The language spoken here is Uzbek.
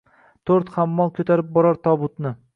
…To’rt hammol ko’tarib borar tobutni